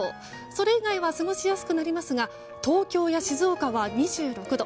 それ以外は過ごしやすくなりますが東京や静岡は２６度。